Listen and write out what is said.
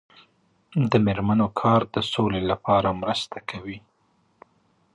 د میرمنو کار د سولې لپاره مرسته کوي.